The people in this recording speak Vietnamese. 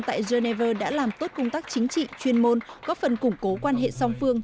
tại geneva đã làm tốt công tác chính trị chuyên môn góp phần củng cố quan hệ song phương